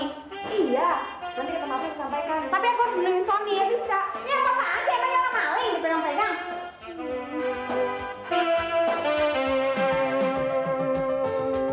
iya nanti tempatnya disampaikan